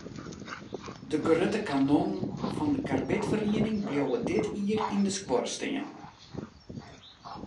De grutte kanonnen fan de karbidferiening bliuwe dit jier yn de skuorre stean.